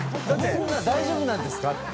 こんな大丈夫なんですか。